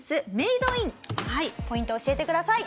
ポイントを教えてください。